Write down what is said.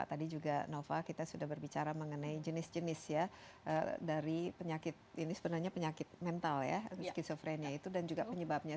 tadi juga nova kita sudah berbicara mengenai jenis jenis ya dari penyakit ini sebenarnya penyakit mental ya skizofrenia itu dan juga penyebabnya